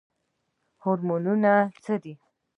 هورمونونه څه دي؟